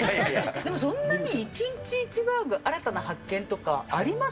でもそんなに１日１バーグ新たな発見とかあります？